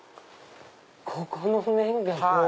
ここの面がこう。